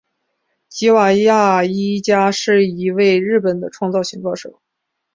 吉冈亚衣加是一位日本的创作型歌手。